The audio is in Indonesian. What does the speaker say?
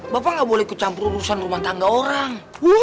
bapak gak boleh kecampur urusan rumah tangga orang